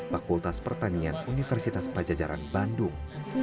fakultas pertanian universitas pajajaran bandung